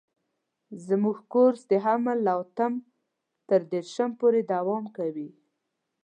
زموږ کورس د حمل له اتم تر دېرشم پورې دوام کوي.